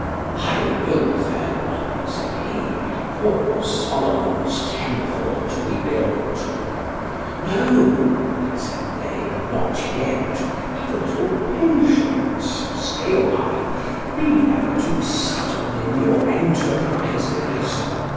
I will then, said he, cause Solomon's temple to be built. No, said they, not yet, have a little patience, stay awhile, be never too sudden in your enterprises.